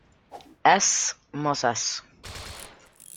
Hess, Moses.